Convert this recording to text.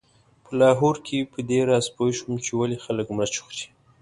په لاهور کې په دې راز پوی شوم چې ولې خلک مرچ خوري.